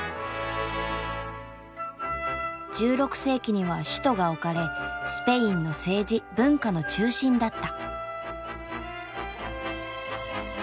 １６世紀には首都が置かれスペインの政治・文化の中心だった。